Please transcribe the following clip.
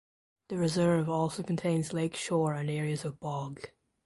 The reserve also contains lake shore and areas of bog.